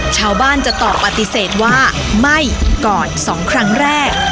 ชาวบ้านจะตอบปฏิเสธว่าไม่ก่อน๒ครั้งแรก